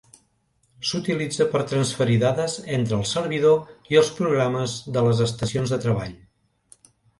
S'utilitza per transferir dades entre el servidor i els programes de les estacions de treball.